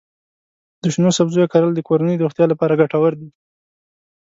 د شنو سبزیو کرل د کورنۍ د روغتیا لپاره ګټور دي.